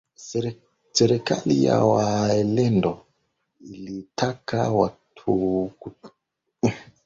Serikali ya Waalendo ilitaka kutumia vyombo vya habari kuimarisha ujenzi wa taifa